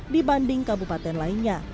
dibanding kabupaten lainnya